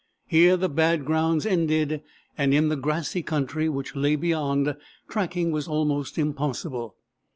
Here the bad grounds ended, and in the grassy country which lay beyond, tracking was almost impossible.